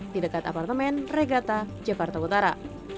di dekat apartemen regata jakarta utara